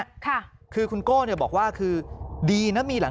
อารมณ์ไม่ดีเพราะว่าอะไรฮะ